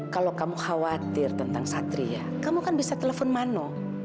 kalau kamu khawatir tentang satria kamu kan bisa telepon mano